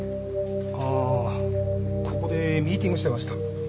ああここでミーティングしてました。